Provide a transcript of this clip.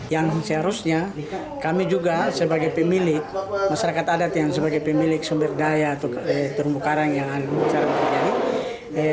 yang seharusnya kami juga sebagai pemilik masyarakat adat yang sebagai pemilik sumber daya terumbu karang yang ada di kawasan perairan